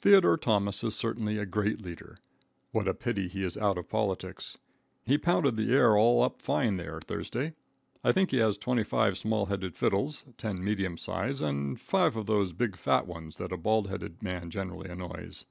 Theodore Thomas is certainly a great leader. What a pity he is out of politics. He pounded the air all up fine there, Thursday. I think he has 25 small size fiddles, 10 medium size, and 5 of those big, fat ones that a bald headed man generally annoys.